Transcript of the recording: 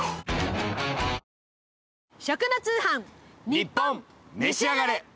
『ニッポンめしあがれ』。